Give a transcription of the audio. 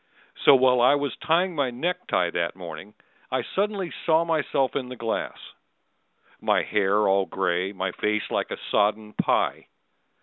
So while I was tying my neck tie that morning I suddenly saw myself in the glass: My hair all gray, my face like a sodden pie.